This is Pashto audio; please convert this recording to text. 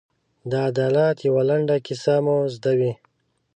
د عدالت یوه لنډه کیسه مو زده وي.